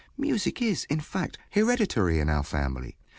Music is, in fact, hereditary in our family.